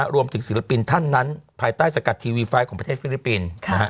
รวมถึงศิลปินท่านไปใต้สกัดทีวีไฟล์ของประเทศฟิลิปิน